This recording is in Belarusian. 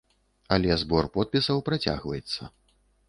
Але збор подпісаў працягваецца.